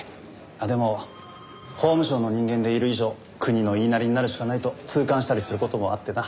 でも法務省の人間でいる以上国の言いなりになるしかないと痛感したりする事もあってな。